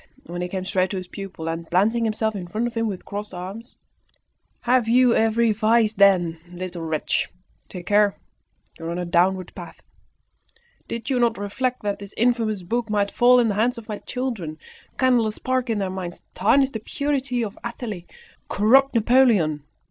Then he came straight to his pupil, and, planting himself in front of him with crossed arms "Have you every vice, then, little wretch? Take care! you are on a downward path. Did not you reflect that this infamous book might fall in the hands of my children, kindle a spark in their minds, tarnish the purity of Athalie, corrupt Napoleon.